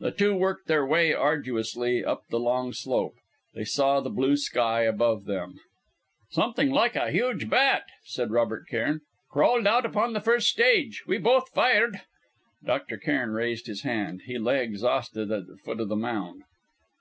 The two worked their way arduously, up the long slope. They saw the blue sky above them.... "Something like a huge bat," said Robert Cairn, "crawled out upon the first stage. We both fired " Dr. Cairn raised his hand. He lay exhausted at the foot of the mound.